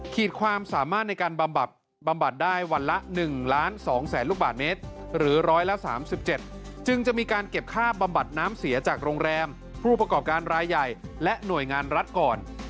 ความสามารถในการบำบัดได้วันละ๑ล้าน๒แสนลูกบาทเมตรหรือร้อยละ๓๗จึงจะมีการเก็บค่าบำบัดน้ำเสียจากโรงแรมผู้ประกอบการรายใหญ่และหน่วยงานรัฐก่อน